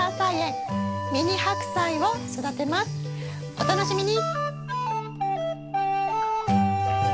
お楽しみに！